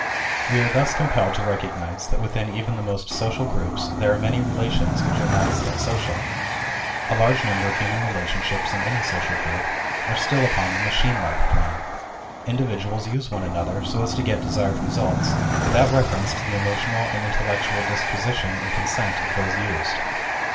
We are thus compelled to recognize that within even the most social group there are many relations which are not as yet social. A large number of human relationships in any social group are still upon the machine like plane. Individuals use one another so as to get desired results, without reference to the emotional and intellectual disposition and consent of those used.